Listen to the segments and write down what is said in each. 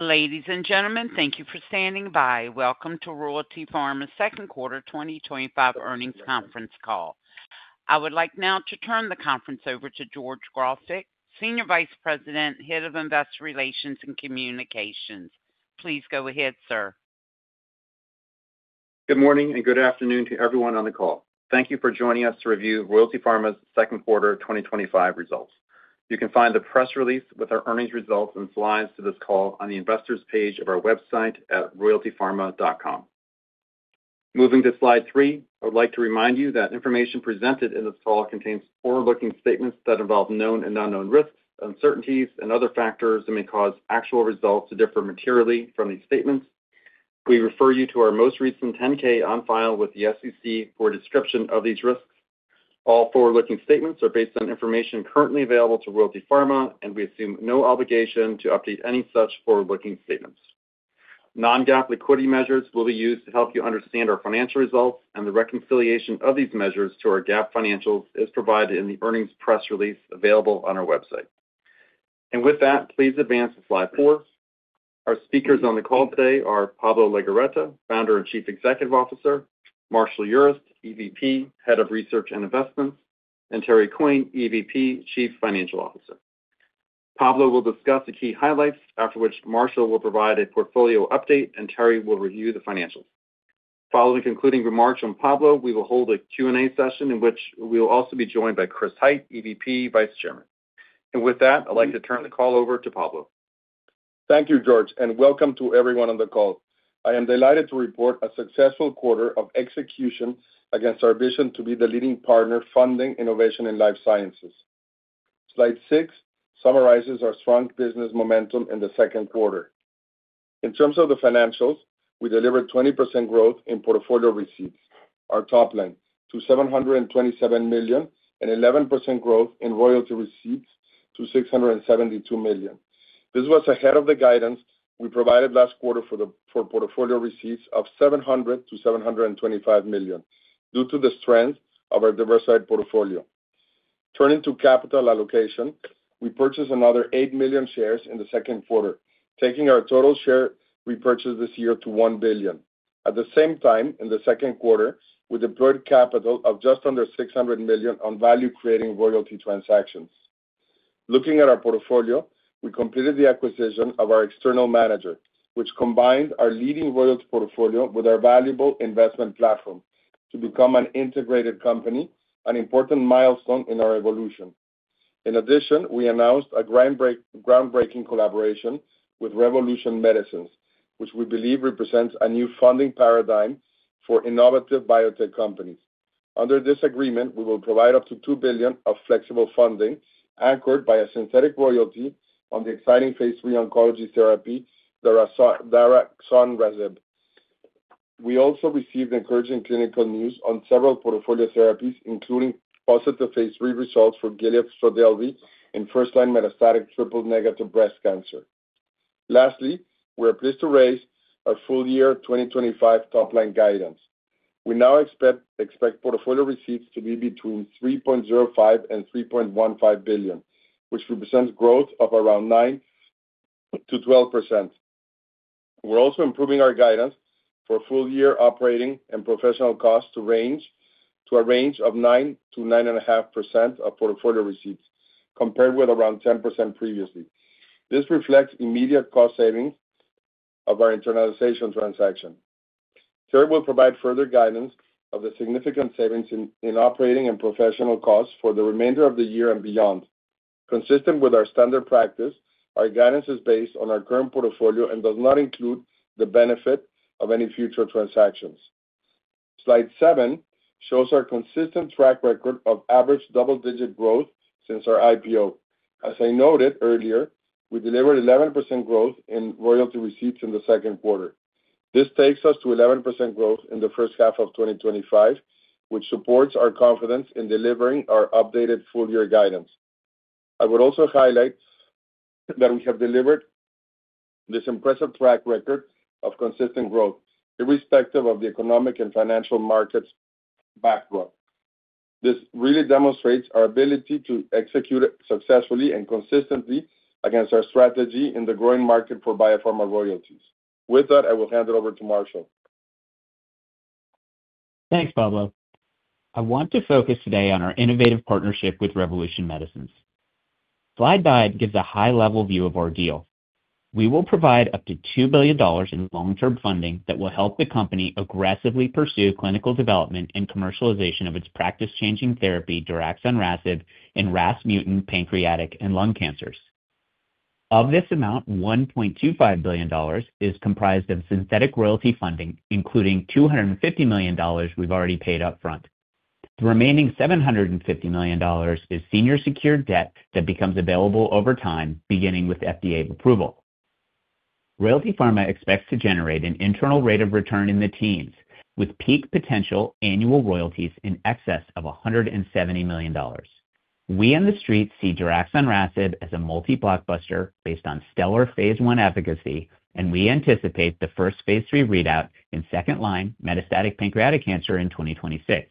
Ladies and gentlemen, thank you for standing by. Welcome to Royalty Pharma second quarter 2025 earnings conference call. I would like now to turn the conference over to George Grofik, Senior Vice President, Head of Investor Relations and Communications. Please go ahead sir. Good morning and good afternoon to everyone on the call. Thank you for joining us to review Royalty Pharma's second quarter 2025 results. You can find the press release with our earnings results and slides to this call on the Investors page of our website at royaltypharma.com. Moving to Slide 3, I would like to remind you that information presented in this call contains forward-looking statements that involve known and unknown risks, uncertainties, and other factors that may cause actual results to differ materially from these statements. We refer you to our most recent 10-K on file with the SEC for a description of these risks. All forward-looking statements are based on information currently available to Royalty Pharma, and we assume no obligation to update any such forward-looking statements. Non-GAAP liquidity measures will be used to help you understand our financial results, and the reconciliation of these measures to our GAAP financials is provided in the earnings press release available on our website. Please advance to slide four. Our speakers on the call today are. Pablo Legorreta, Founder and Chief Executive Officer, Marshall Urist, EVP, Head of Research and Investment, and Terry Coyne, EVP, Chief Financial Officer. Pablo will discuss the key highlights after. Marshall will provide a portfolio update, and Terry will review the financials. Following concluding remarks from Pablo, we will hold a Q&A session in which we will also be joined by Chris Hite, EVP, Vice Chairman. With that, I'd like to turn the call over to Pablo. Thank you, George, and welcome to everyone on the call. I am delighted to report a successful quarter of execution against our vision to be the leading partner funding innovation in life sciences. Slide six summarizes our strong business momentum in the second quarter. In terms of the financials, we delivered 20% growth in portfolio receipts, our top line, to $727 million, and 11% growth in royalty receipts to $672 million. This was ahead of the guidance we provided last quarter for portfolio receipts of $700 million to $725 million due to the strength of our diversified portfolio. Turning to capital allocation, we purchased another 8 million shares in the second quarter, taking our total share repurchase this year to $1 billion. At the same time, in the second quarter, we deployed capital of just under $600 million on value-creating royalty transactions. Looking at our portfolio, we completed the acquisition of our External Manager, which combined our leading royalty portfolio with our valuable investment platform to become an integrated company, an important milestone in our evolution. In addition, we announced a groundbreaking collaboration with Revolution Medicines, which we believe represents a new funding paradigm for innovative biotech companies. Under this agreement, we will provide up to $2 billion of flexible funding anchored by a synthetic royalty on the exciting Phase 3 oncology therapy Dyrasin Rasib. We also received encouraging clinical news on several portfolio therapies, including positive Phase 3 results for Gilead Stridelvi in first line metastatic triple negative breast cancer. Lastly, we are pleased to raise our full year 2025 top line guidance. We now expect portfolio receipts to be between $3.05 billion and $3.15 billion, which represents growth of around 9% to 12%. We're also improving our guidance for full year operating and professional costs to a range of 9% to 9.5% of portfolio receipts compared with around 10% previously. This reflects immediate cost savings of our internalization transaction. Terry will provide further guidance on the significant savings in operating and professional costs for the remainder of the year and beyond, consistent with our standard practice. Our guidance is based on our current portfolio and does not include the benefit of any future transactions. Slide seven shows our consistent track record of average double-digit growth since our IPO. As I noted earlier, we delivered 11% growth in royalty receipts in the second quarter. This takes us to 11% growth in the first half of 2025, which supports our confidence in delivering our updated full year guidance. I would also highlight that we have delivered this impressive track record of consistent growth irrespective of the economic and financial markets backdrop. This really demonstrates our ability to execute successfully and consistently against our strategy in the growing market for biopharma royalties. With that, I will hand it over to Marshall. Thanks Pablo. I want to focus today on our innovative partnership with Revolution Medicines. Slide five gives a high level view of our deal. We will provide up to $2 billion in long term funding that will help the company aggressively pursue clinical development and commercialization of its practice changing therapy, Dyrasin Rasib in RAS mutant pancreatic and lung cancers. Of this amount, $1.25 billion is comprised of synthetic royalty funding including $250 million we've already paid up front. The remaining $750 million is senior secured debt that becomes available over time beginning with FDA approval. Royalty Pharma expects to generate an internal rate of return in the teens with peak potential annual royalties in excess of $170 million. We on the street see Dyrasin Rasib as a multi blockbuster based on stellar phase 1 efficacy and we anticipate the first phase 3 readout in second line metastatic pancreatic cancer in 2026.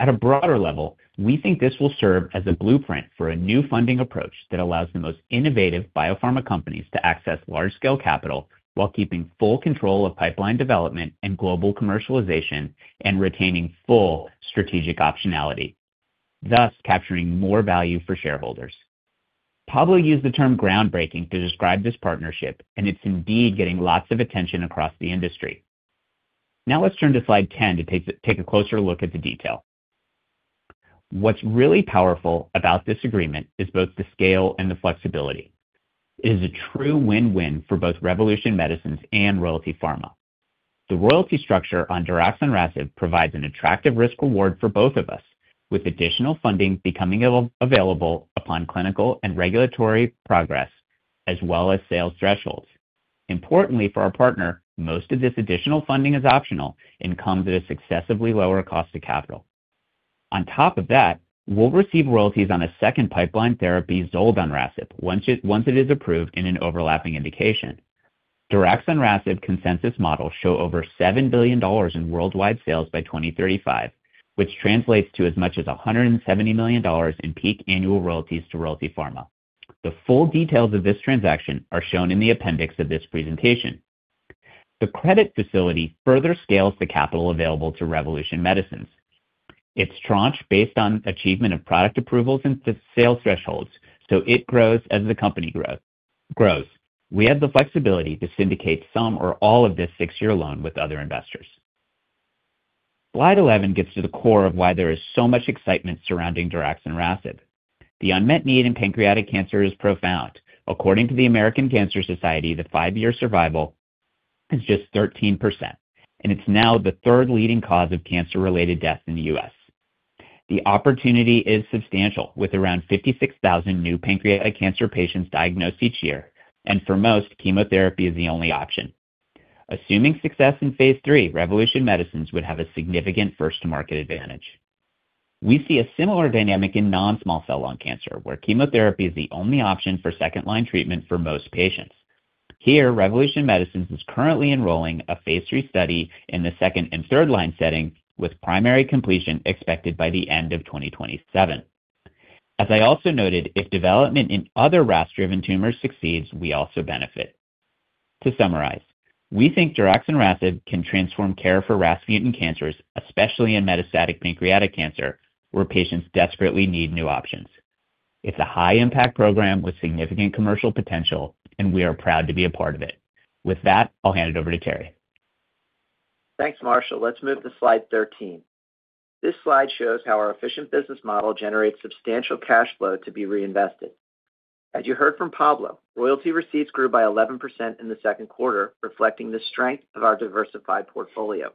At a broader level, we think this will serve as a blueprint for a new funding approach that allows the most innovative biopharma companies to access large scale capital while keeping full control of pipeline development and global commercialization and retaining full strategic optionality, thus capturing more value for shareholders. Pablo used the term groundbreaking to describe this partnership and it's indeed getting lots of attention across the industry. Now let's turn to slide ten to take a closer look at the detail. What's really powerful about this agreement is both the scale and the flexibility. It is a true win win for both Revolution Medicines and Royalty Pharma. The royalty structure on Dyrasin Rasib provides an attractive risk reward for both of us, with additional funding becoming available upon clinical and regulatory progress as well as sales thresholds. Importantly for our partner, most of this additional funding is optional and comes at a successively lower cost of capital. On top of that, we'll receive royalties on a second pipeline therapy, Zoldon Rasib, once it is approved in an overlapping indication. Dyrasin Rasib consensus models show over $7 billion in worldwide sales by 2035, which translates to as much as $170 million in peak annual royalties to Royalty Pharma. The full details of this transaction are shown in the appendix of this presentation. The credit facility further scales the capital available to Revolution Medicines. It's tranche based on achievement of product approvals and sales thresholds, so it grows as the company grows. We have the flexibility to syndicate some or all of this six year loan with other investors. Slide 11 gets to the core of why there is so much excitement surrounding Dyrasin Rasib. The unmet need in pancreatic cancer is profound. According to the American Cancer Society, the five year survival is just 13% and it's now the third leading cause of cancer related death in the U.S. The opportunity is substantial with around 56,000 new pancreatic cancer patients diagnosed each year and for most, chemotherapy is the only option. Assuming success in phase 3, Revolution Medicines would have a significant first to market advantage. We see a similar dynamic in non small cell lung cancer where chemotherapy is the only option for second line treatment for most patients here. Revolution Medicines is currently enrolling a phase 3 study in the second and third line setting with primary completion expected by the end of 2027. As I also noted, if development in other RAS driven tumors succeeds, we also benefit. To summarize, we think Dyrasin Rasib can transform care for RAS mutant cancers, especially in metastatic pancreatic cancer where patients desperately need new options. It's a high impact program with significant commercial potential and we are proud to be a part of it. With that, I'll hand it over to Terry. Thanks Marshall. Let's move to slide 13. This slide shows how our efficient business model generates substantial cash flow to be reinvested. As you heard from Pablo, royalty receipts grew by 11% in the second quarter, reflecting the strength of our diversified portfolio.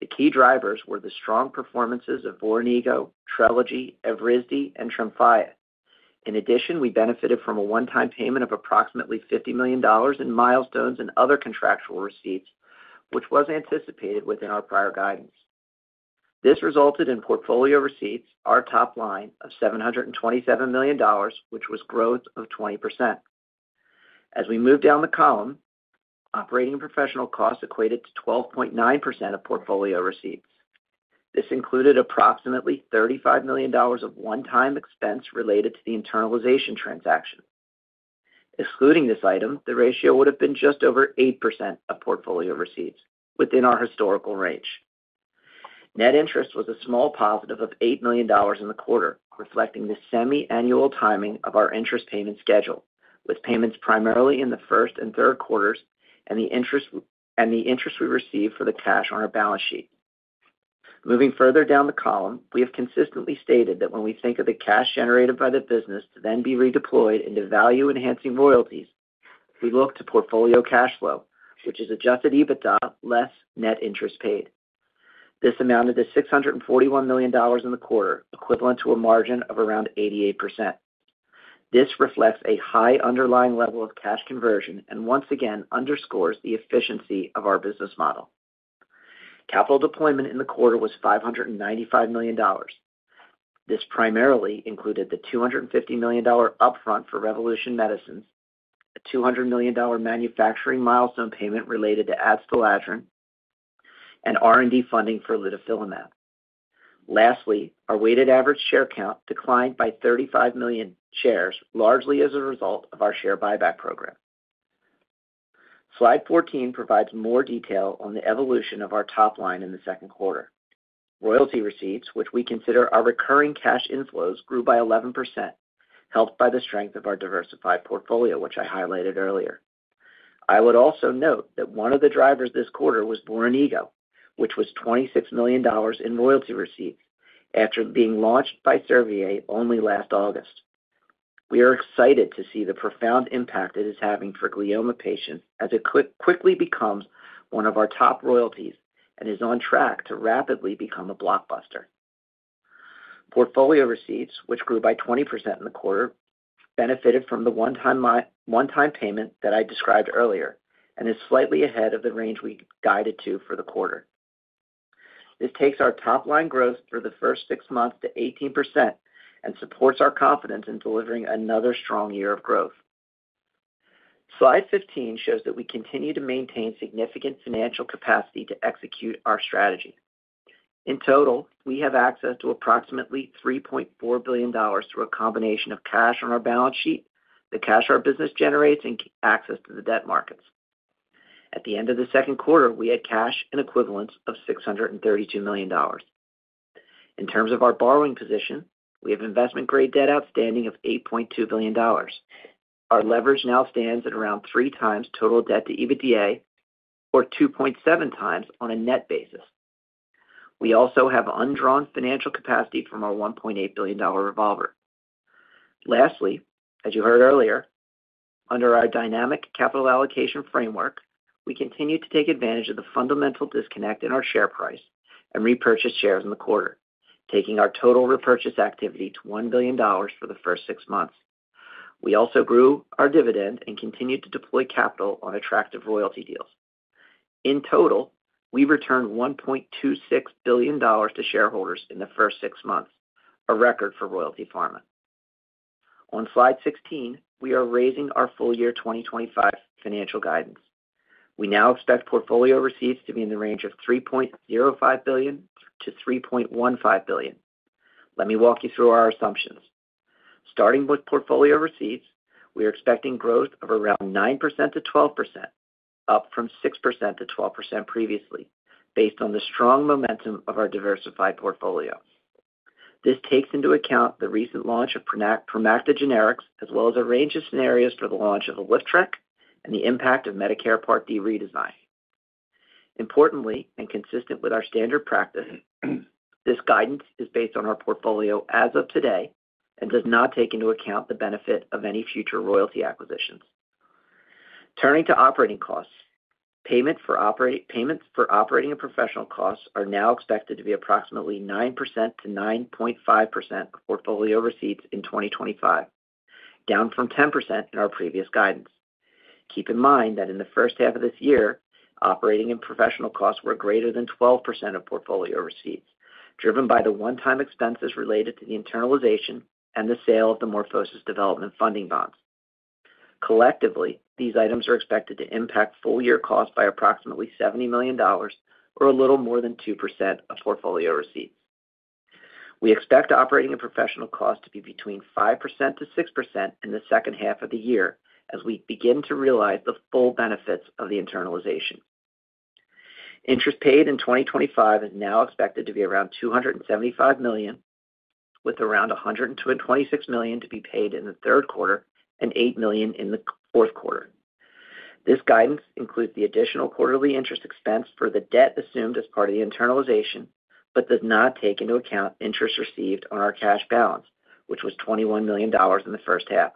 The key drivers were the strong performances of Voranigo, Trelegy, Evrysdi, and Tremfya. In addition, we benefited from a one-time payment of approximately $50 million in milestones and other contractual receipts, which was anticipated within our prior guidance. This resulted in portfolio receipts, our top line, of $727 million, which was growth of 20%. As we move down the column, operating professional costs equated to 12.9% of portfolio receipts. This included approximately $35 million of one-time expense related to the internalization transaction. Excluding this item, the ratio would have been just over 8% of portfolio receipts, within our historical range. Net interest was a small positive of $8 million in the quarter, reflecting the semiannual timing of our interest payment schedule with payments primarily in the first and third quarters and the interest we received for the cash on our balance sheet. Moving further down the column, we have consistently stated that when we think of the cash generated by the business to then be redeployed into value-enhancing royalties, we look to portfolio cash flow, which is adjusted EBITDA less net interest paid. This amounted to $641 million in the quarter, equivalent to a margin of around 88%. This reflects a high underlying level of cash conversion and once again underscores the efficiency of our business model. Capital deployment in the quarter was $595 million. This primarily included the $250 million upfront for Revolution Medicines, a $200 million manufacturing milestone payment related to adstiladrin, and R&D funding for lidifilimab. Lastly, our weighted average share count declined by 35 million shares, largely as a result of our share buyback program. Slide 14 provides more detail on the evolution of our top line. In the second quarter, royalty receipts, which we consider are recurring cash inflows, grew by 11%, helped by the strength of our diversified portfolio, which I highlighted earlier. I would also note that one of the drivers this quarter was Voranigo, which was $26 million in royalty receipts after being launched by Servier only last August. We are excited to see the profound impact it is having for glioma patients as it quickly becomes one of our top royalties and is on track to rapidly become a blockbuster. Portfolio receipts, which grew by 20% in the quarter, benefited from the one-time payment that I described earlier and is slightly ahead of the range we guided to for the quarter. This takes our top line growth for the first six months to 18% and supports our confidence in delivering another strong year of growth. Slide 15 shows that we continue to maintain significant financial capacity to execute our strategy. In total, we have access to approximately $3.4 billion through a combination of cash on our balance sheet, the cash our business generates, and access to the debt markets. At the end of the second quarter, we had cash and equivalents of $632 million. In terms of our borrowing position, we have investment grade debt outstanding of $8.2 billion. Our leverage now stands at around three times total debt to EBITDA or 2.7 times on a net basis. We also have undrawn financial capacity from our $1.8 billion revolver. Lastly, as you heard earlier, under our dynamic capital allocation framework, we continue to take advantage of the fundamental disconnect in our share price and repurchase shares in the quarter, taking our total repurchase activity to $1 billion for the first six months. We also grew our dividend and continued to deploy capital on attractive royalty deals. In total, we returned $1.26 billion to shareholders in the first six months, a record for Royalty Pharma. On Slide 16, we are raising our full year 2025 financial guidance. We now expect portfolio receipts to be in the range of $3.05 billion to $3.15 billion. Let me walk you through our assumptions. Starting with portfolio receipts, we are expecting growth of around 9% to 12%, up from 6% to 12% previously based on the strong momentum of our diversified portfolio. This takes into account the recent launch of Promacta Generics as well as a range of scenarios for the launch of a Liftrec and the impact of Medicare Part D redesign. Importantly, and consistent with our standard practice, this guidance is based on our portfolio as of today and does not take into account the benefit of any future royalty acquisitions. Turning to operating costs, payment for operating and professional costs are now expected to be approximately 9% to 9.5% of portfolio receipts in 2025, down from 10% in our previous guidance. Keep in mind that in the first half of this year, operating and professional costs were greater than 12% of portfolio receipts, driven by the one-time expenses related to the internalization and the sale of the Morphosis development funding bonds. Collectively, these items are expected to impact full year costs by approximately $70 million or a little more than 2% of portfolio receipts. We expect operating and professional costs to be between 5% to 6% in the second half of the year as we begin to realize the full benefits of the internalization. Interest paid in 2025 is now expected to be around $275 million, with around $126 million to be paid in the third quarter and $8 million in the fourth quarter. This guidance includes the additional quarterly interest expense for the debt assumed as part of the internalization, but does not take into account interest received on our cash balance, which was $21 million in the first half.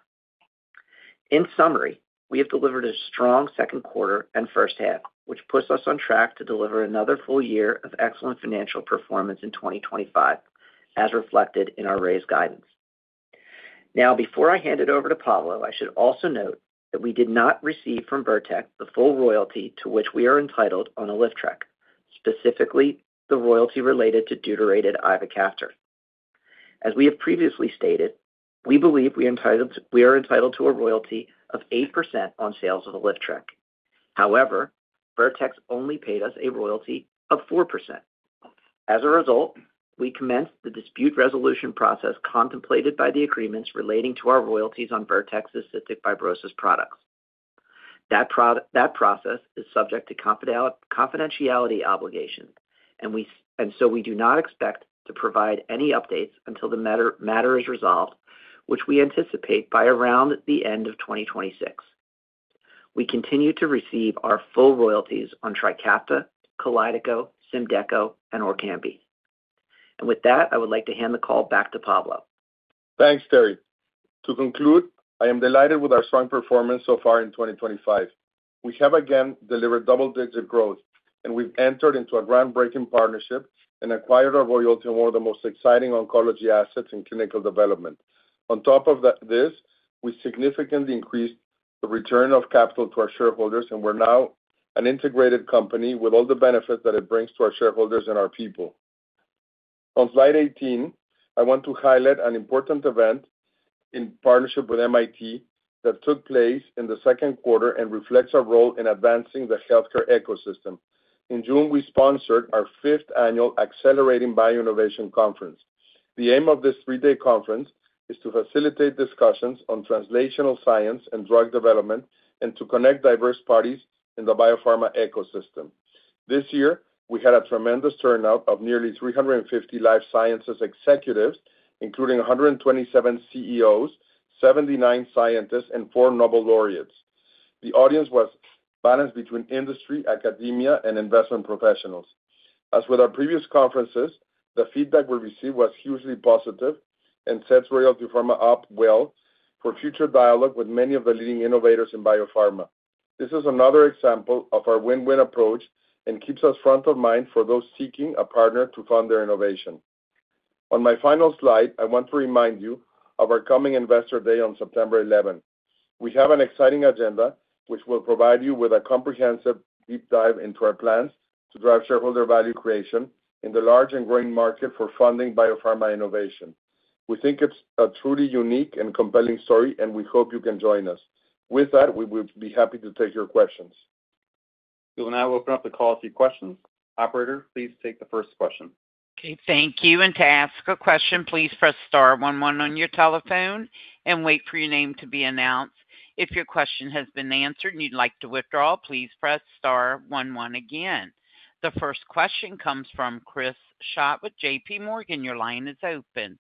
In summary, we have delivered a strong second quarter and first half, which puts us on track to deliver another full year of excellent financial performance in 2025 as reflected in our raised guidance. Now, before I hand it over to Pablo, I should also note that we did not receive from Vertex the full royalty to which we are entitled on Liftrec, specifically the royalty related to deuterated ivacaftor. As we have previously stated, we believe we are entitled to a royalty of 8% on sales of Liftrec. However, Vertex only paid us a royalty of 4%. As a result, we commenced the dispute resolution process contemplated by the agreements relating to our royalties on Vertex's cystic fibrosis products. That process is subject to confidentiality obligations, and we do not expect to provide any updates until the matter is resolved, which we anticipate by around the end of 2026. We continue to receive our full royalties on Trikafta, Kalydeco, Symdeko, and Orkambi, and with that I would like to hand the call back to Pablo. Thanks, Terry. To conclude, I am delighted with our strong performance so far in 2025. We have again delivered double-digit growth, and we've entered into a groundbreaking partnership and acquired our royalty on one of the most exciting oncology assets in clinical development. On top of this, we significantly increased the return of capital to our shareholders, and we're now an integrated company with all the benefits that it brings to our shareholders and our people. On slide 18, I want to highlight an important event in partnership with MIT that took place in the second quarter and reflects our role in advancing the healthcare ecosystem. In June, we sponsored our 5th annual Accelerating Bioinnovation Conference. The aim of this three-day conference is to facilitate discussions on translational science and drug development and to connect diverse parties in the biopharma ecosystem. This year, we had a tremendous turnout of nearly 350 life sciences executives, including 127 CEOs, 79 scientists, and four Nobel laureates. The audience was balanced between industry, academia, and investment professionals. As with our previous conferences, the feedback we received was hugely positive and sets Royalty Pharma up well for future dialogue with many of the leading innovators in biopharma. This is another example of our win-win approach and keeps us front of mind for those seeking a partner to fund their innovation. On my final slide, I want to remind you of our coming Investor Day on September 11th. We have an exciting agenda which will provide you with a comprehensive deep dive into our plans to drive shareholder value creation in the large and growing market for funding biopharma innovation. We think it's a truly unique and compelling story, and we hope you can join us. With that, we will be happy to take your questions. We will now open up the call for questions. Operator, please take the first question. Thank you. To ask a question, please press star 11 on your telephone and wait for your name to be announced. If your question has been answered and you'd like to withdraw, please press star 11 again. The first question comes from Chris Schott with JP Morgan. Your line is open.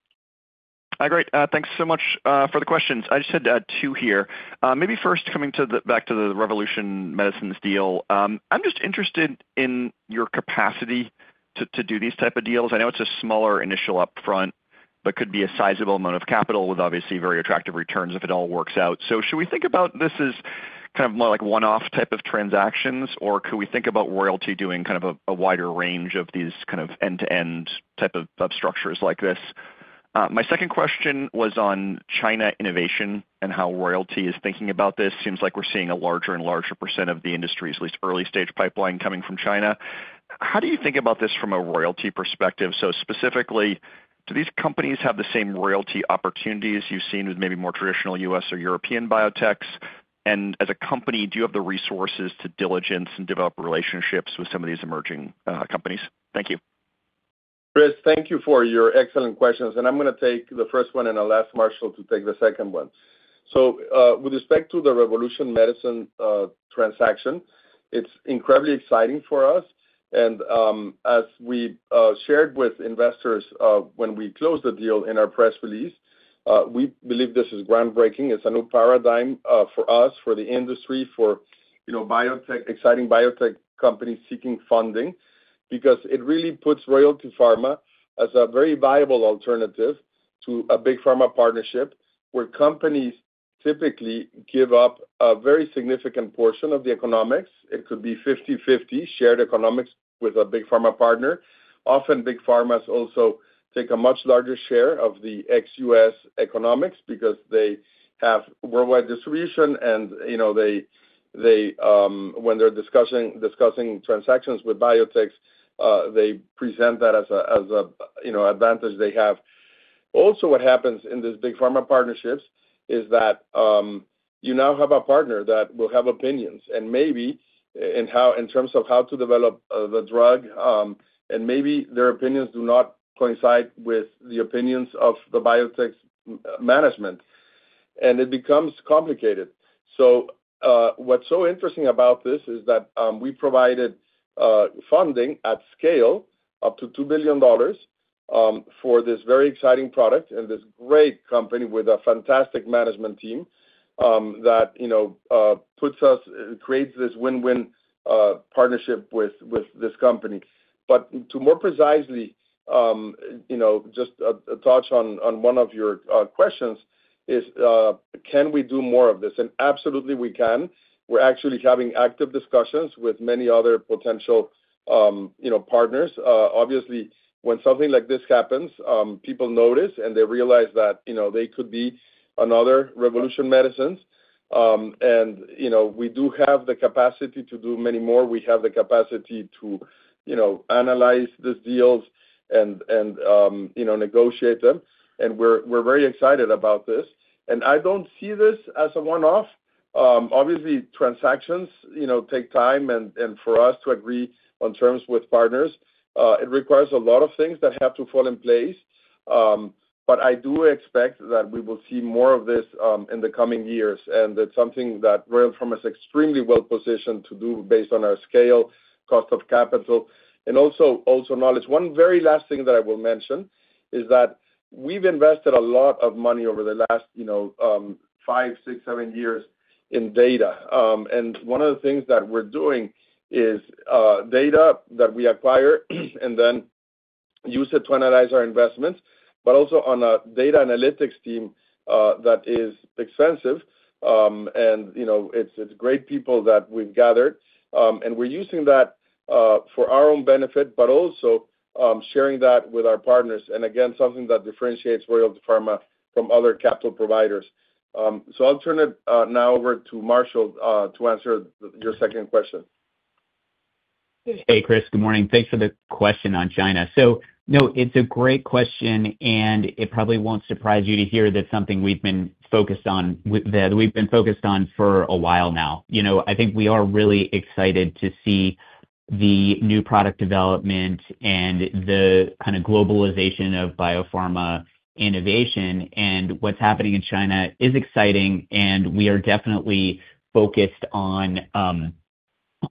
Great, thanks so much for the questions. I just had two here. Maybe first, coming back to the Revolution Medicines deal, I'm just interested in your capacity to do these type of deals. I know it's a smaller initial upfront but could be a sizable amount of capital with obviously very attractive returns if it all works out. Should we think about this as more like one-off type of transactions or could we think about Royalty Pharma doing a wider range of these end-to-end type of structures like this? My second question was on China innovation and how Royalty Pharma is thinking about this. Seems like we're seeing a larger and larger % of the industry's, at least early stage, pipeline coming from China. How do you think about this from a royalty perspective? Specifically, do these companies have the same royalty opportunities you've seen with maybe more traditional U.S. or European biotechs? As a company, do you have the resources to diligence and develop relationships with some of these emerging companies? Thank you Chris, Thank you for your excellent questions. I'm going to take the first one and I'll ask Marshall to take the second one. With respect to the Revolution Medicines transaction, it's incredibly exciting for us and as we shared with investors when we closed the deal in our press release, we believe this is groundbreaking. It's a new paradigm for us, for the industry, for biotech. Exciting biotech companies seeking funding because it really puts Royalty Pharma as a very viable alternative to a big pharma partnership where companies typically give up a very significant portion of the economics. It could be 50/50 shared economics with a big pharma partner. Often big pharmas also take a much larger share of the ex-U.S. economics because they have worldwide distribution and when they're discussing transactions with biotechs they present that as an advantage they have. Also, what happens in these big pharma partnerships is that you now have a partner that will have opinions and maybe in terms of how to develop the drug and maybe their opinions do not coincide with the opinions of the biotech management and it becomes complicated. What's so interesting about this is that we provided funding at scale, up to $2 billion, for this very exciting product and this great company with a fantastic management team that puts us, creates this win-win partnership with this company. To more precisely just touch on one of your questions, can we do more of this? Absolutely we can. We're actually having active discussions with many other potential partners. Obviously, when something like this happens people notice and they realize that they could be another Revolution Medicines. We do have the capacity to do many more. We have the capacity to analyze these deals and negotiate them and we're very excited about this. I don't see this as a one-off. Obviously, transactions take time and for us to agree on terms with partners it requires a lot of things that have to fall in place. I do expect that we will see more of this in the coming years. It's something that Royalty Pharma is extremely well positioned to do based on our scale, cost of capital and also knowledge. One very last thing that I will mention is that we've invested a lot of money over the last five, six, seven years in data. One of the things that we're doing is data that we acquire and then use it to analyze our investments, but also on a data analytics team that is extensive and it's great people that we've gathered and we're using that for our own benefit but also sharing that with our partners and again something that differentiates Royalty Pharma from other capital providers. I'll turn it now over to Marshall to answer your second question. Hey Chris, good morning. Thanks for the question on China. It's a great question and it probably won't surprise you to hear that. We've been focused on that for a while now. I think we are really excited to see the new product development and the kind of globalization of biopharma innovation, and what's happening in China is exciting. We are definitely focused on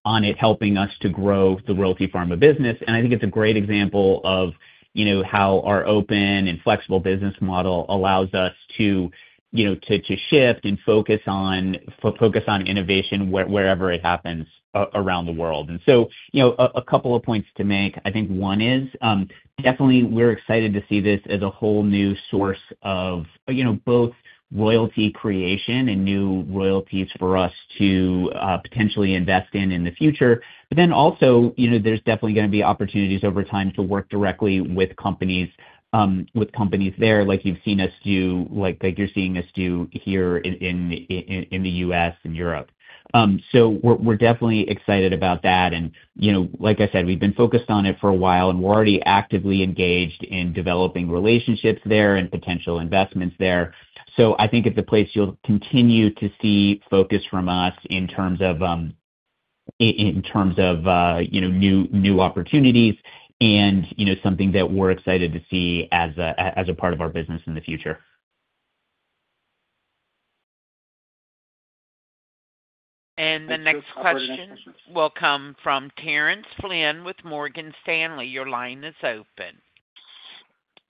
it helping us to grow the Royalty Pharma business. I think it's a great example of how our open and flexible business model allows us to shift and focus on innovation wherever it happens around the world. A couple of points to make, I think. One is definitely we're excited to see this as a whole new source of both royalty creation and new royalties for us to potentially invest in in the future. There are definitely going to be opportunities over time to work directly with companies there like you've seen us do, like you're seeing us do here in the U.S. and Europe. We're definitely excited about that. Like I said, we've been focused on it for a while and we're already actively engaged in developing relationships there and potential investments there. I think it's a place you'll continue to see focus from us in terms of new opportunities and something that we're excited to see as a part of our business in the future. The next question will come from Terrance Flynn with Morgan Stanley. Your line is open.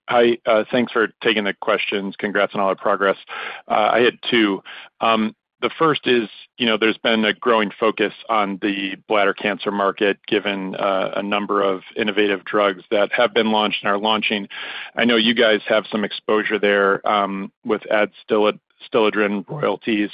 Hi. Thanks for taking the questions. Congrats on all your progress. I had two. The first is, you know, there's been a growing focus on the bladder cancer market given a number of innovative drugs that have been launched and are launching. I know you guys have some exposure there with adstiladrin royalties.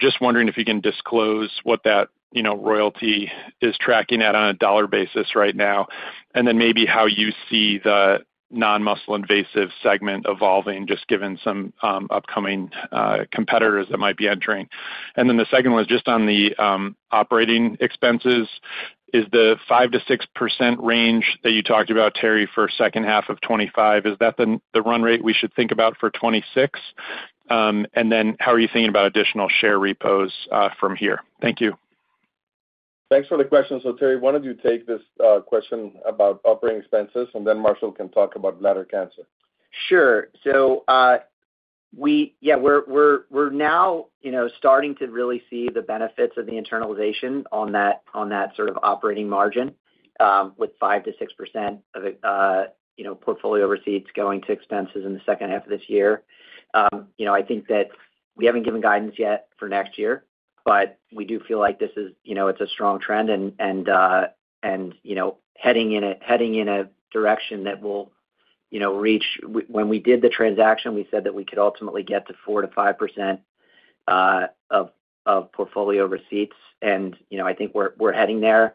Just wondering if you can disclose what that royalty is tracking at on a dollar basis right now. Maybe how you see the non-muscle invasive segment evolving just given some upcoming competitors that might be entering. The second one is just on the operating expenses. Is the 5 to 6% range that you talked about, Terry, for second half of 2025, is that the run rate we should think about for 2026? How are you thinking about additional share repos from here? Thank you. Thanks for the question. Terry, why don't you take this question about operating expenses, and then Marshall can talk about bladder cancer. Sure. We are now starting to really see the benefits of the internalization on that sort of operating margin with 5% to 6% of portfolio receipts going to expenses in the second half of this year. I think that we haven't given guidance yet for next year, but we do feel like this is a strong trend and heading in a direction that will reach. When we did the transaction, we said that we could ultimately get to 4% to 5% of portfolio receipts. I think we're heading there.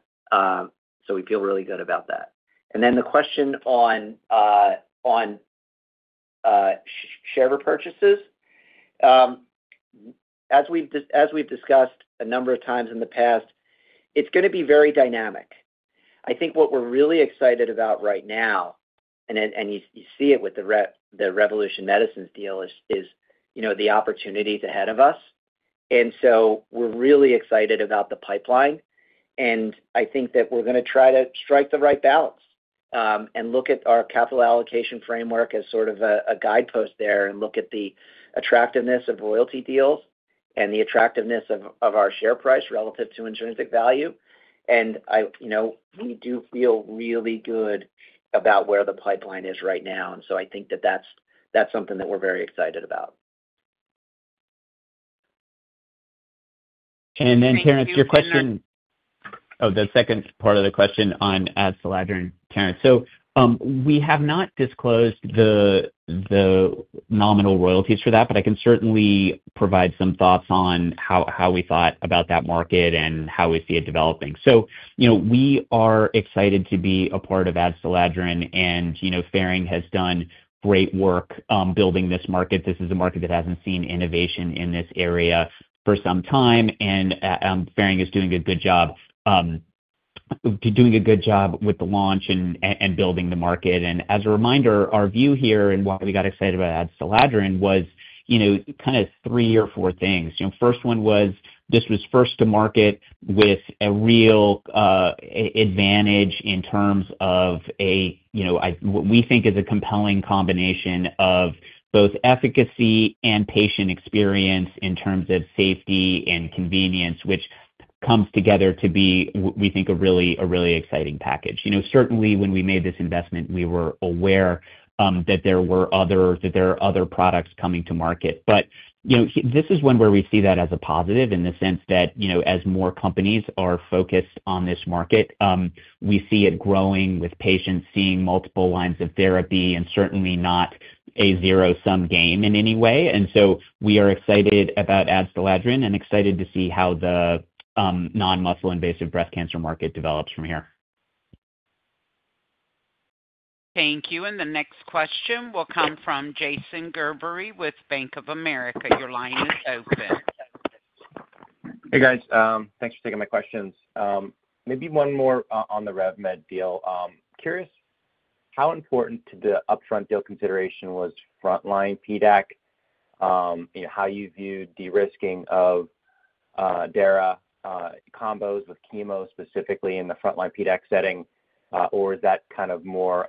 We feel really good about that. The question on share repurchases, as we've discussed a number of times in the past, it's going to be very dynamic. What we're really excited about right now, and you see it with the Revolution Medicines deal, is the opportunities ahead of us. We are really excited about the pipeline and I think that we're going to try to strike the right balance and look at our capital allocation framework as sort of a guidepost there and look at the attractiveness of royalty deals and the attractiveness of our share price relative to intrinsic value. We do feel really good about where the pipeline is right now. I think that that's something that we're very excited about. Terrance, your question on the second part of the question on adstiladrin. We have not disclosed the nominal royalties for that, but I can certainly provide some thoughts on how we thought about that market and how we see it developing. We are excited to be a part of adstiladrin, and Ferring has done great work building this market. This is a market that hasn't seen innovation in this area for some time. Ferring is doing a good job with the launch and building the market. As a reminder, our view here and what we got excited about adstiladrin was kind of three or four things. The first one was this was first to market with a real advantage in terms of what we think is a compelling combination of both efficacy and patient experience in terms of safety and convenience, which comes together to be, we think, a really exciting package. Certainly, when we made this investment, we were aware that there were other products coming to market. This is one where we see that as a positive in the sense that as more companies are focused on this market, we see it growing with patients seeing multiple lines of therapy and certainly not a zero sum game in any way. We are excited about adstiladrin and excited to see how the non-muscle invasive bladder cancer market develops from here. Thank you. The next question will come from Jason Gerberry with Bank of America. Your line is open. Hey guys, thanks for taking my questions. Maybe one more on the Revolution Medicines deal. Curious how important to the upfront deal. Consideration was frontline PDAC, how you viewed de-risking of DARA combos with chemo specifically in the frontline PDAC setting? Is that kind of more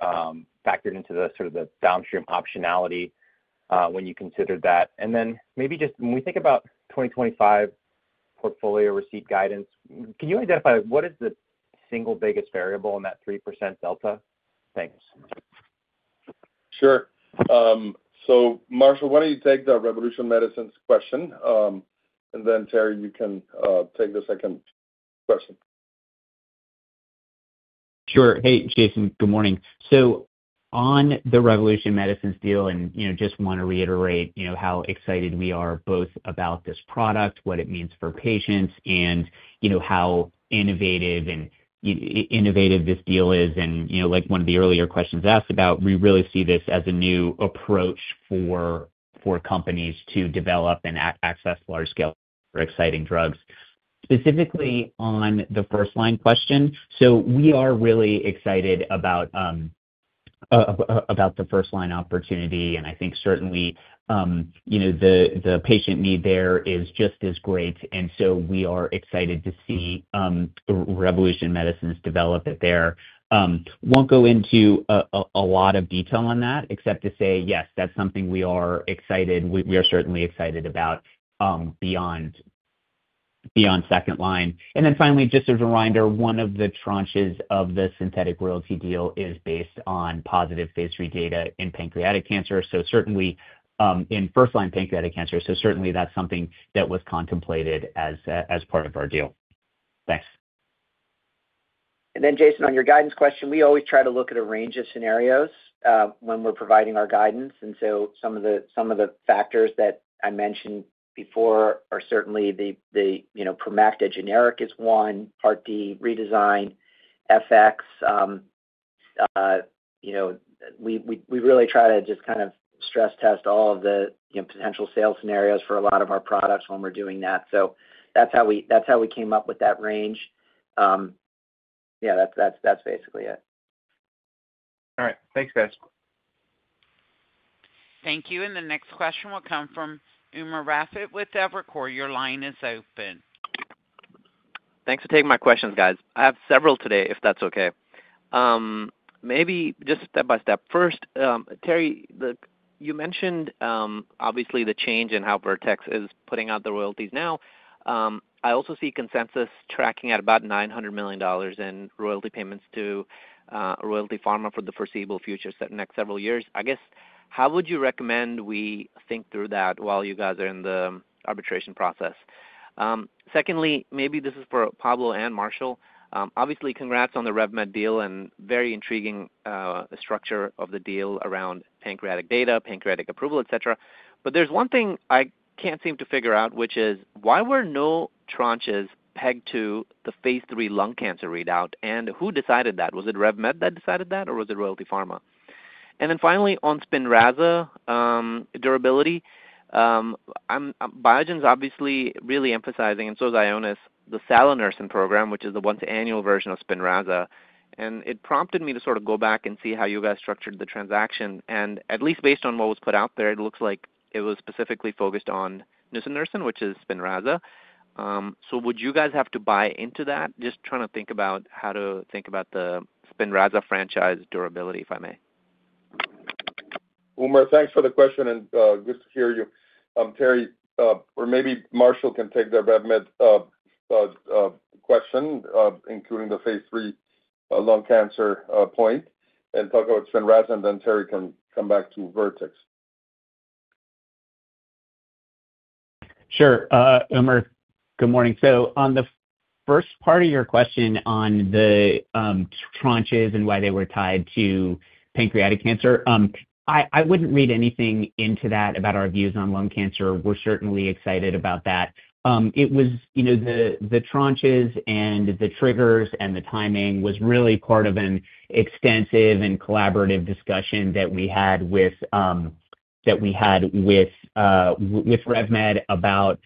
factored into the sort of the downstream optionality when you considered that? Maybe just when we think. About 2025 portfolio receipt guidance. Can you identify what is the single? Biggest variable in that 3% delta? Thanks. Sure. Marshall, why don't you take the Revolution Medicines question, and then Terry, you can take the second question. Sure. Hey Jason, good morning. On the Revolution Medicines deal, I just want to reiterate how excited we are both about this product, what it means for patients, and how innovative this deal is. Like one of the earlier questions asked about, we really see this as a new approach for companies to develop and access large scale for exciting drugs, specifically on the first line question. We are really excited about it. The. First line opportunity, and I think certainly the patient need there is just as great, and so we are excited to see Revolution Medicines develop it. I won't go into a lot of detail on that except to say yes, that's something we are excited about beyond second line. Finally, just as a reminder, one of the tranches of the synthetic royalty deal is based on positive phase 3 data in pancreatic cancer. Certainly in first line pancreatic cancer, that's something that was contemplated as part of our deal. Thanks. Jason, on your guidance question, we always try to look at a range of scenarios when we're providing our guidance. Some of the factors that I mentioned before are certainly the, you know, Promacta generic is one part D redesign fx. We really try to just kind of stress test all of the potential sales scenarios for a lot of our products when we're doing that. That's how we came up with that range. Yeah, that's basically it. All right, thanks, guys. Thank you. The next question will come from Umar Rafit with Evercore. Your line is open. Thanks for taking my questions, guys. I have several today, if that's okay. Maybe just step by step. First, Terry, you mentioned obviously the change in how Vertex is putting out the royalties. Now I also see consensus tracking at about $900 million in royalty payments to Royalty Pharma for the foreseeable future, next several years, I guess. How would you recommend we think through that while you guys are in the arbitration process? Secondly, maybe this is for Pablo and Marshall. Obviously congrats on the Revolution Medicines deal and very intriguing structure of the deal around pancreatic data, pancreatic approval, et cetera. There's one thing I can't seem to figure out, which is why were no tranches pegged to the phase 3 lung cancer readout? Who decided that? Was it Revolution Medicines that decided that or. Was it Royalty Pharma? Finally, on Spinraza durability, Biogen is obviously really emphasizing, and so is Ionis, the Salinersen program, which is the once annual version of Spinraza. It prompted me to sort of go back and see how you guys structured the transaction. At least based on what was put out there, it looks like it was specifically focused on nusinersen, which is Spinraza. Would you guys have to buy into that? Just trying to think about how to think about the Spinraza franchise durability, if I may. Umar, thanks for the question and good to hear you, Terry. Maybe Marshall can take the Revolution Medicines question, including the phase 3 lung cancer point, and talk about Dyrasin Rasib, and then Terry can come back to Vertex. Sure. Umer. Good morning. On the first part of your. Question on the tranches and why they were tied to pancreatic cancer, I wouldn't read anything into that about our views on lung cancer. We're certainly excited about that. The tranches and the triggers and the timing was really part of an extensive and collaborative discussion that we had with Revolution Medicines about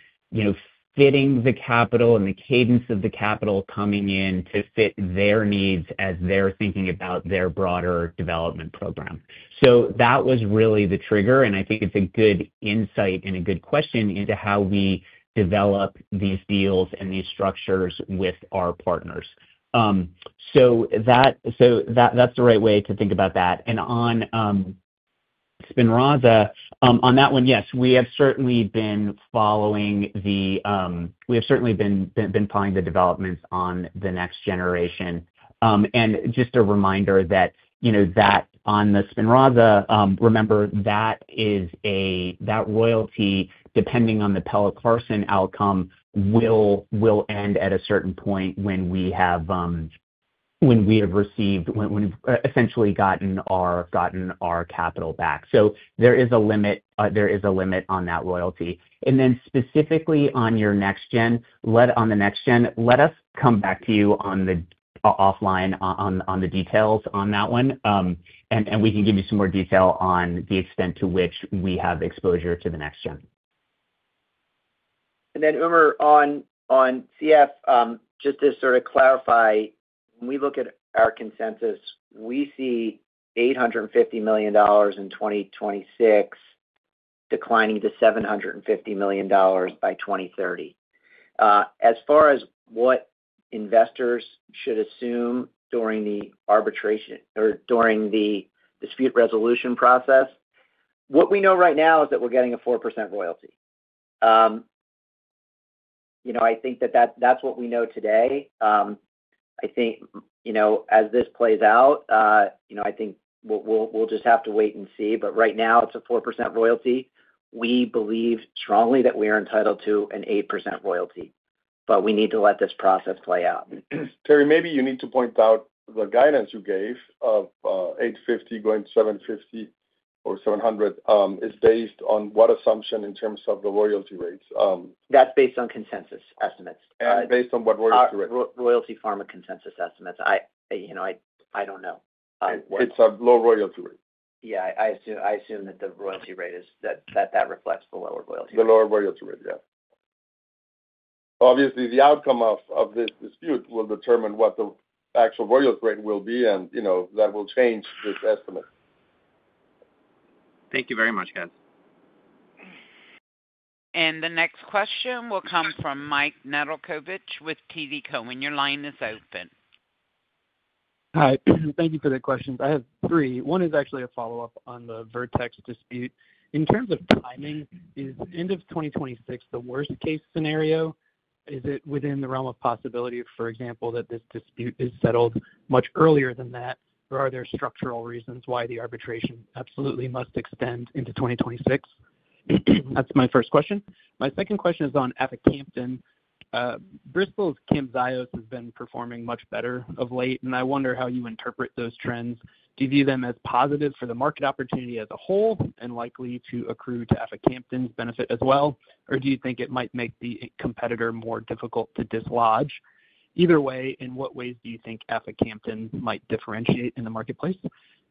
fitting the capital and the cadence of the capital coming in to fit their needs as they're thinking about their broader development program, really the trigger. I think it's a good insight and a good question into how we develop these deals and these structures with our partners so that's the right way to think about that. On Spinraza, yes, we have certainly been following the developments on the next generation. Just a reminder that on the Spinraza, remember that is a royalty depending on the Pelle Carson outcome, will end at a certain point when we have received, when essentially gotten our capital back. There is a limit on that royalty. Specifically on your next gen, let us come back to you offline on the details on that one and we can give you some more detail on the extent to which we have exposure to the next gen. To sort of clarify, when we look at our consensus, we see $850 million in 2026 declining to $750 million by 2030. As far as what investors should assume during the arbitration or during the dispute resolution process, what we know right now is that we're getting a 4% royalty. I think that that's what we know today. I think as this plays out, I think we'll just have to wait and see. Right now it's a 4% royalty. We believe strongly that we are entitled to an 8% royalty, but we need to let this process play out. Terry, maybe you need to point out the guidance you gave of $850 million going to $750 million or $700 million is based on what assumption in terms of the royalty rates. That's based on consensus estimates and based on what works, Royalty Pharma consensus estimates. I don't know. It's a low royalty rate. Yeah, I assume that the royalty rate is. That reflects the lower royalty rate. The lower royalty rate, yeah. Obviously, the outcome of this dispute will determine what the actual royalty rate will be, and you know that will change this estimate. Thank you very much, Kat. The next question will come from Mike Nadolkovich with TD Cowen. Your line is open. Hi, thank you for the questions. I have three. One is actually a follow up on the Vertex dispute. In terms of timing, is end of 2026 the worst case scenario? Is it within the realm of possibility, for example, that this dispute is settled. Much earlier than that, or are there? Structural reasons why the arbitration absolutely must extend into 2026? That's my first question. My second question is on aficamten. Bristol's Camzyos has been performing much better of late. I wonder how you interpret those trends. Do you view them as positive? The market opportunity as a whole and likely to accrue to aficamten benefit as well, or do you think it might make the competitor more difficult to dislodge? Either way, in what ways do you think aficamten might differentiate in the marketplace.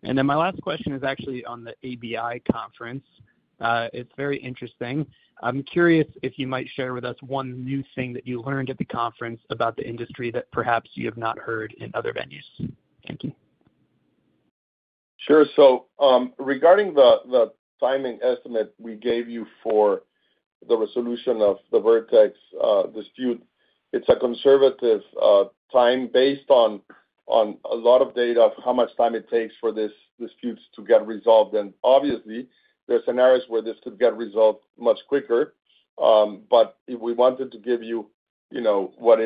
My last question is actually. On the ABI conference, it's very interesting. I'm curious if you might share with. us one new thing that you learned at the conference about the industry. Perhaps you have not heard in other venues. Thank you. Sure. Regarding the timing estimate we gave you for the resolution of the Vertex dispute, it's a conservative time based on a lot of data of how much time it takes for this dispute to get resolved, and obviously there are scenarios where this could get resolved much quicker. We wanted to give you what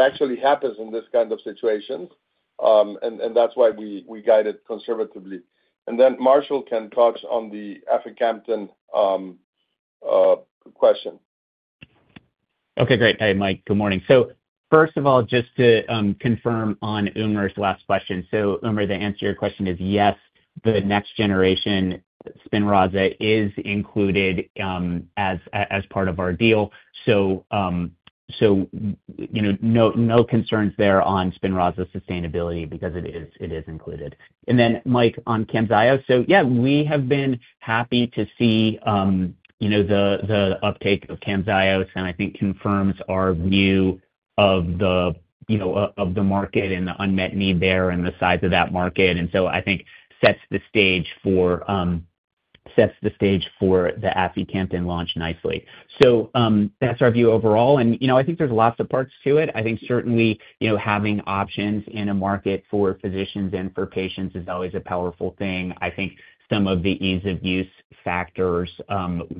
actually happens in this kind of situation, and that's why we guided conservatively, and then Marshall can talk on the aficamten question. Okay, great. Hey Mike, good morning. First of all, just to confirm on Umer's last question. Umer, the answer to your question is yes, the next generation Spinraza is included as part of our deal. No concerns there on Spinraza sustainability because it is included. Mike, on aficamten, we have been happy to see the uptake of aficamten and I think it confirms our view of the market and the unmet need there and the size of that market. I think it sets the stage for the aficamten launch nicely. That's our view overall. I think there's lots. Of parts to it. I think certainly, you know, having options in a market for physicians and for patients is always a powerful thing. I think some of the ease of use factors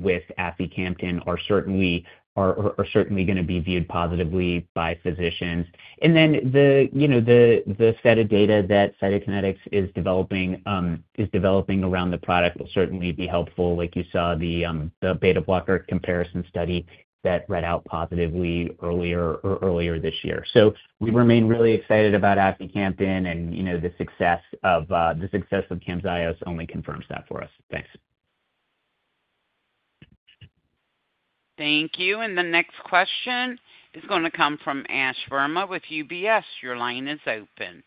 with aficamten are certainly going to be viewed positively by physicians. The set of data that Cytokinetics is developing around the product will certainly be helpful. Like you saw, the beta blocker comparison study that read out positively earlier this year. We remain really excited about aficamten and, you know, the success of camzyos only confirms that for us. Thanks. Thank you. The next question is going to come from Ash Verma with UBS. Your line is open.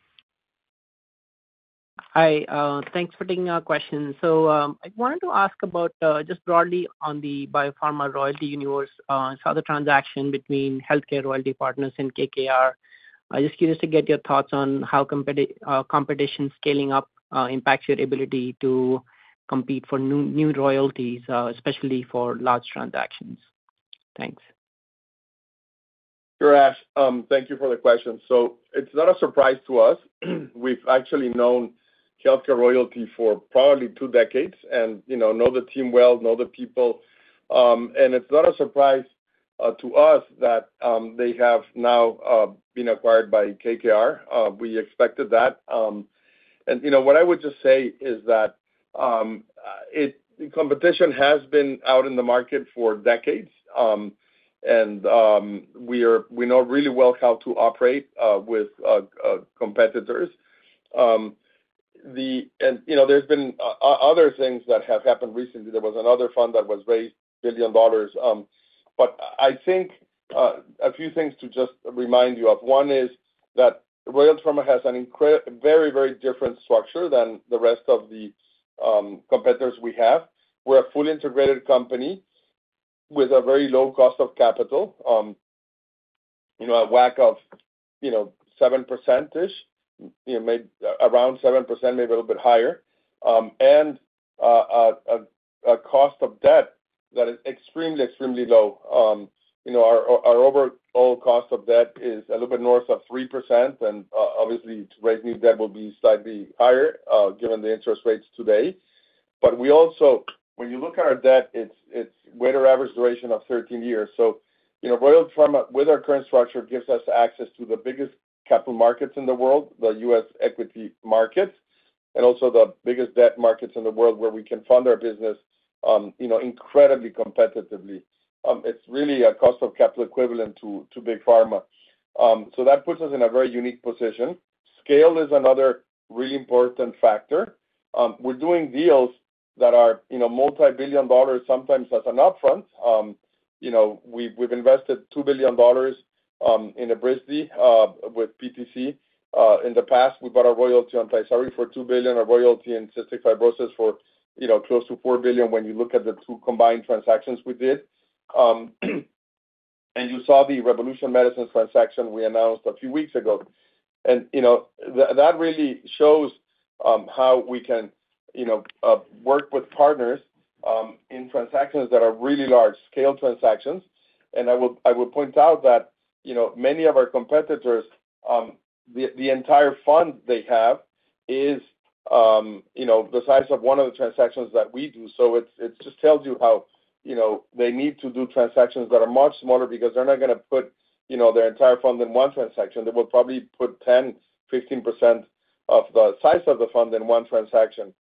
Hi, thanks for taking our question. I wanted to ask about just. Broadly on the biopharma royalty universe. Saw the transaction between Healthcare Royalty Partners and KKR. Just curious to get your thoughts on how competition scaling up impacts your ability to compete for new royalties, especially for large transactions. Thanks. Ash, thank you for the question. It's not a surprise to us. We've actually known Healthcare Royalty for probably two decades and know the team well, know the people, and it's not a surprise to us that they have now been acquired by KKR. We expected that. What I would just say is that competition has been out in the market for decades and we know really well how to operate with competitors. There have been other things that have happened recently. There was another fund that was raised, billion dollars. I think a few things to just remind you of: one is that Royalty Pharma has a very, very different structure than the rest of the competitors we have. We're a fully integrated company with a very low cost of capital, a WACC of 7% ish, maybe around 7%, maybe a little bit higher, and a cost of debt that is extremely, extremely low. Our overall cost of debt is a little bit north of 3% and obviously to raise new debt will be slightly higher given the interest rates today. When you look at our debt, we have a weighted average duration of 13 years. Royalty Pharma with our current structure gives us access to the biggest capital markets in the world, the U.S. equity markets, and also the biggest debt markets in the world where we can fund our business incredibly competitively. It's really a cost of capital equivalent to big pharma. That puts us in a very unique position. Scale is another really important factor. We're doing deals that are multibillion dollars sometimes as an upfront. We've invested $2 billion in Evrysdi with PTC in the past. We bought our royalty on Tysabri for $2 billion, our royalty in cystic fibrosis for close to $4 billion. When you look at the two combined transactions we did. You saw the. Revolution Medicines transaction we announced a few weeks ago really shows how we can work with partners in transactions that are really large scale transactions. I would point out that many of our competitors, the entire fund they have is the size of one of the transactions that we do. It just tells you how they need to do transactions that are much smaller because they're not going to put their entire fund in one transaction. They will probably put 10% or 15% of the size of the fund in one transaction.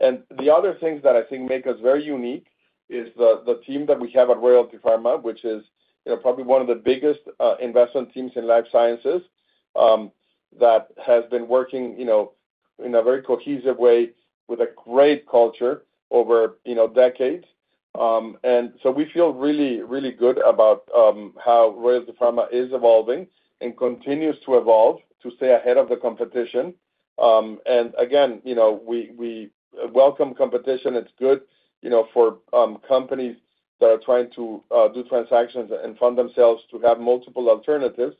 The other things that I think make us very unique is the team that we have at Royalty Pharma, which is probably one of the biggest investment teams in life sciences that has been working in a very cohesive way with a great culture over decades. We feel really, really good about how Royalty Pharma is evolving and continues to evolve to stay ahead of the competition. We welcome competition. It's good for companies that are trying to do transactions and fund themselves to have multiple alternatives.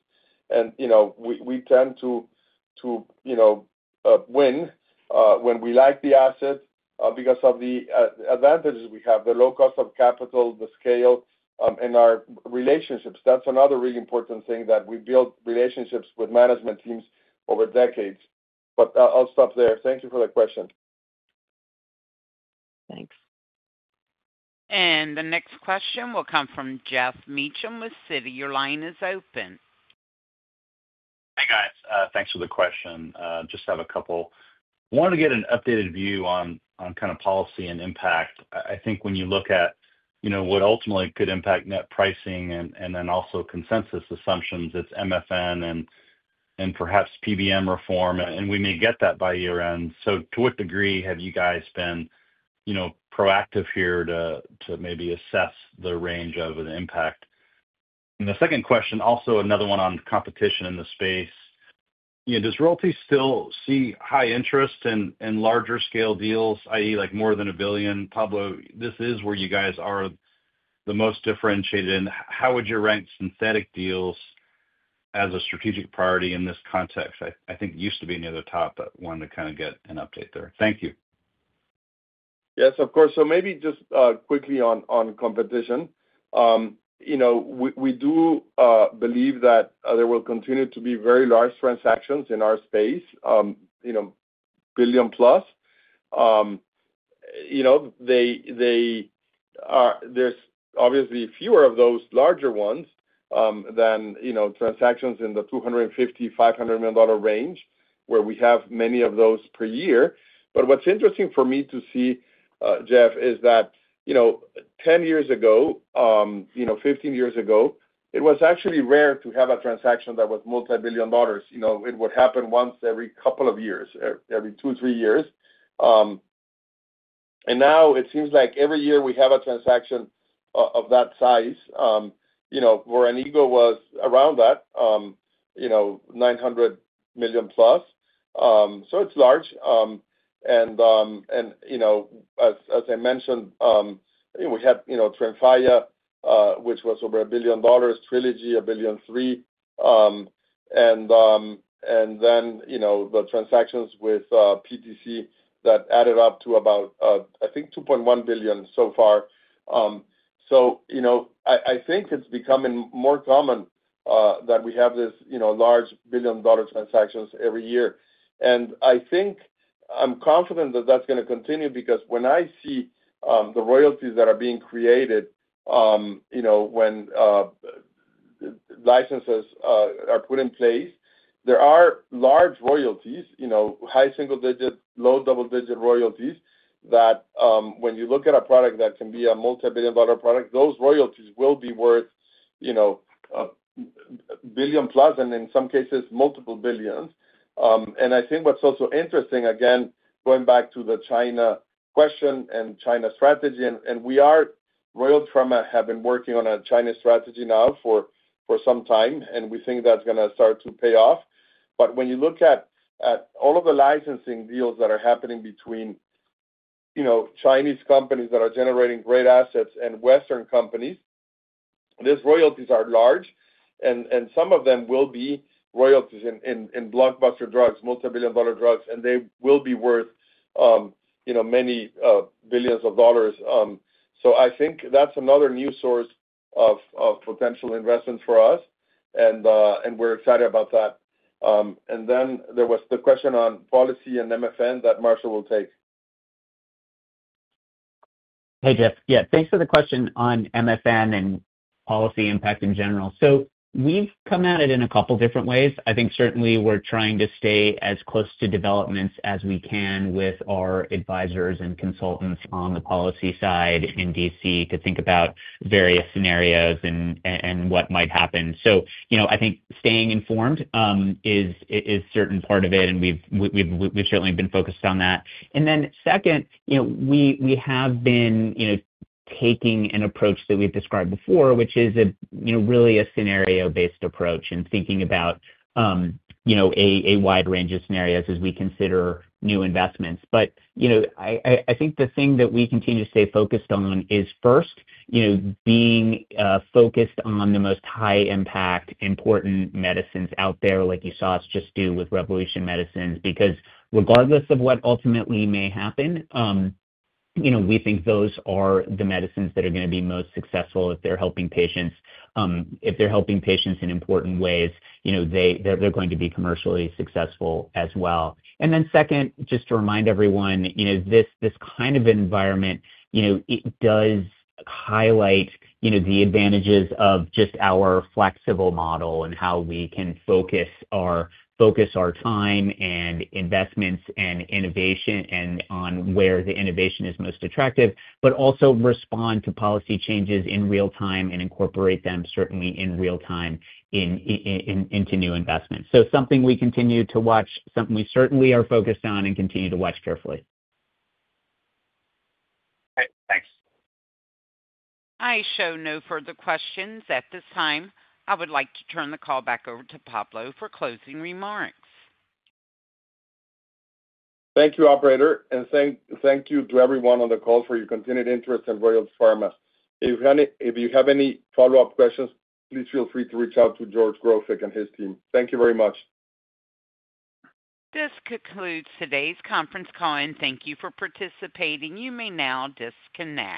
We tend to win when we like the asset because of the advantages we have, the low cost of capital, the scale, and our relationships. That's another really important thing, that we build relationships with management teams over decades. I'll stop there. Thank you for the question. Thanks. The next question will come from Geoff Meacham with Citi. Your line is open. Hi guys, thanks for the question. Just have a couple, wanted to get an updated view on kind of policy and impact. I think when you look at, you know, what ultimately could impact net pricing and then also consensus assumptions, it's MFN and perhaps PBM reform, and we may get that by year end. To what degree have you guys been, you know, proactive here to maybe assess the range of an impact? The second question, also another one on competition in the space. Does Royalty Pharma still see high interest and larger scale deals that is like more than $1 billion? Pablo, this is where you guys are the most differentiated. How would you rank synthetic deals as a strategic priority in this context? I think it used to be near the top, but wanted to kind of. Get an update there. Thank you. Yes, of course. Maybe just quickly on competition, we do believe that there will continue to be very large transactions in our space, billion plus. You. Know. There's obviously fewer of those larger ones than, you know, transactions in the $250, $500 million range, where we have many of those per year. What's interesting for me to see, Jeff, is that, you know, 10 years ago, you know, 15 years ago, it was actually rare to have a transaction that was multi-billion dollars. It would happen once every couple of years, every two, three years. Now it seems like every year we have a transaction of that size, you know, where an ego was around that, you know, $900 million plus. It's large. As I mentioned, we had, you know, Tremfya, which was over a billion dollars, Trelegy, a billion three. The transactions with PTC that added up to about, I think, $2.1 billion so far. I think it's becoming more common that we have these large billion dollar transactions every year. I'm confident that that's going to continue because when I see the royalties that are being created when licenses are put in place, there are large royalties, high single digit, low double digit royalties, that when you look at a product that can be a multibillion dollar product, those royalties will be worth, you know, billion plus and in some cases multiple billions. What's also interesting, again going back to the China question and China strategy, and we at Royalty Pharma have been working on a China strategy now for some time and we think that's going to start to pay off. When you look at all of the licensing deals that are happening between Chinese companies that are generating great assets and Western companies, these royalties are large. Some of them will be royalties in blockbuster drugs, multibillion dollar drugs, and they will be worth many billions of dollars. I think that's another new source of potential investments for us and we're excited about that. There was the question on policy and MFN that Marshall will take. Hey, Jeff. Yeah, thanks for the question on MFN and policy impact in general. We've come at it in a couple different ways. Certainly we're trying to stay as close to developments as we can with our advisors and consultants on the policy side in D.C. to think about various scenarios and what might happen. I think staying informed is a certain part of it and we've certainly been focused on that. Second, we have been taking an approach that we've described before, which is really a scenario-based approach and thinking about a wide range of scenarios as we consider new investments. The thing that we continue to stay focused on is first, being focused on the most high impact, important medicines out there, like you saw us just do with Revolution Medicines. Regardless of what ultimately may happen, we think those are the medicines that are going to be most successful if they're helping patients, if they're helping patients in important ways, they're going to be commercially successful as well. Second, just to remind everyone, this kind of environment highlights the advantages of our flexible model and how we can focus our time and investments and innovation on where the innovation is most attractive, but also respond to policy changes in real time and incorporate them in real time into new investments. This is something we continue to watch, something we certainly are focused on and continue to watch carefully. Thanks. I show no further questions at this time. I would like to turn the call back over to Pablo for closing remarks. Thank you, operator. Thank you to everyone on the call for your continued interest in Royalty Pharma. If you have any follow up questions, please feel free to reach out to George Grofik and his team. Thank you very much. This concludes today's conference call, and thank you for participating. You may now disconnect.